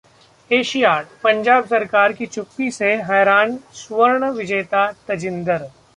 Asiad: Punjab सरकार की चुप्पी से 'हैरान' स्वर्ण विजेता तजिंदर